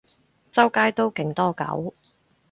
周街都勁多狗